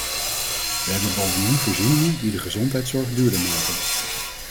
We hebben bovendien voorzieningen die de gezondheidszorg duurder maken.